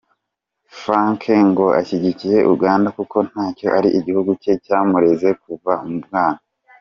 Frankie ngo ashyigikiye Uganda kuko nacyo ari igihugu cye cyamureze kuva mu bwana.